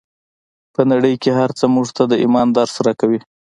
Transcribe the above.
په نړۍ کې هر څه موږ ته د ايمان درس راکوي.